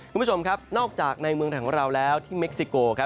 คุณผู้ชมครับนอกจากในเมืองไทยของเราแล้วที่เม็กซิโก